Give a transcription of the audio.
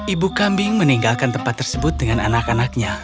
ibu kambing meninggalkan tempat tersebut dengan anak anaknya